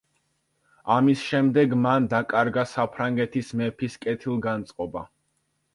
ამის შემდეგ მან დაკარგა საფრანგეთის მეფის კეთილგანწყობა.